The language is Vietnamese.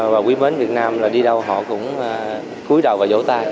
và quý mến việt nam là đi đâu họ cũng cúi đầu và dỗ tay